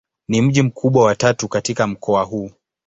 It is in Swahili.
Ni mji mkubwa wa tatu katika mkoa huu.